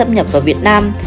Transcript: nhập vào việt nam